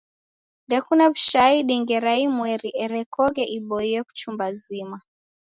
Ndekune w'ushahidi ngera imweri erekoghe iboie kuchumba zima.